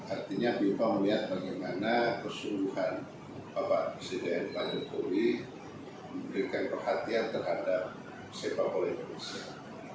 artinya fifa melihat bagaimana kesungguhan bapak presiden pak jokowi memberikan perhatian terhadap sepak bola indonesia